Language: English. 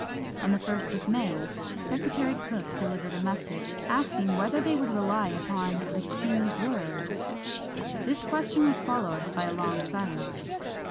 On the first of May, Secretary Cooke delivered a message, asking whether they would rely upon the king's word? This question was followed by a long silence.